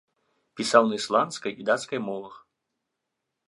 Пісаў на ісландскай і дацкай мовах.